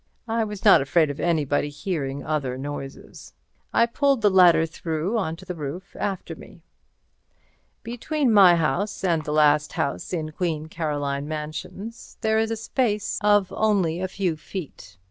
I was not afraid of anybody hearing other noises. I pulled the ladder through on to the roof after me. Between my house and the last house in Queen Caroline Mansions there is a space of only a few feet.